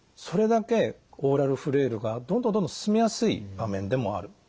それだけオーラルフレイルがどんどんどんどん進みやすい場面でもある。